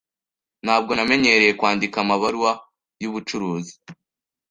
Ntabwo namenyereye kwandika amabaruwa yubucuruzi.